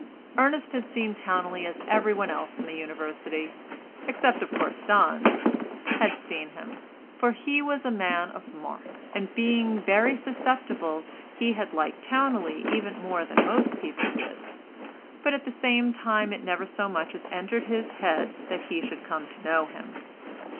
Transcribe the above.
Ernest had seen Towneley as every one else in the University (except, of course, dons) had seen him, for he was a man of mark, and being very susceptible he had liked Towneley even more than most people did, but at the same time it never so much as entered his head that he should come to know him.